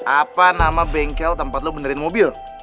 apa nama bengkel tempat lo benerin mobil